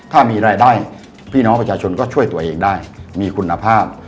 ถ้ามีรายได้พี่น้องประชาชนก็ช่วยตัวเองได้มีคุณภาพ